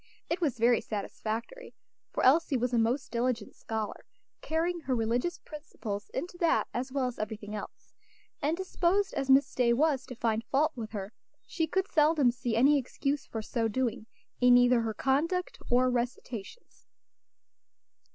It was very satisfactory, for Elsie was a most diligent scholar, carrying her religious principles into that as well as everything else; and disposed as Miss Day was to find fault with her, she could seldom see any excuse for so doing, in either her conduct or recitations.